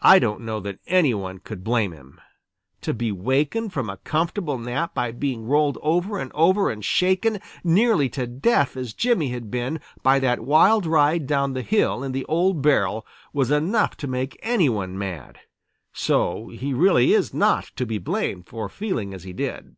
I don't know that any one could blame him. To be wakened from a comfortable nap by being rolled over and over and shaken nearly to death as Jimmy had been by that wild ride down the hill in the old barrel was enough to make any one mad. So he really is not to be blamed for feeling as he did.